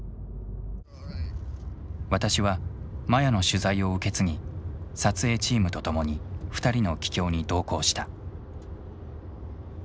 私はマヤの取材を受け継ぎ撮影チームと共に２人の帰郷に同行した。